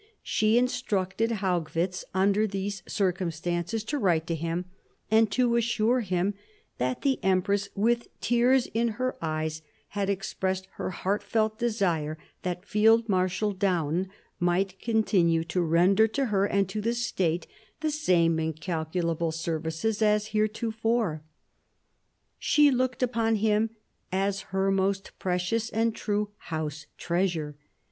She instructed Haugwitz under these circumstances to write to him and to assure him that "the empress with tears in her eyes had expressed her heartfelt desire that Field Marshal Daun might continue to render to her and to the state the same incalculable services as heretofore"; she looked upon him "as her most precious and true house treasure."